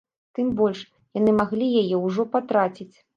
Тым больш, яны маглі яе ўжо патраціць.